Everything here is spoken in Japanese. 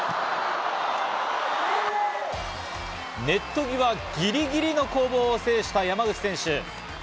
ネット際、ギリギリの攻防を制した山口選手。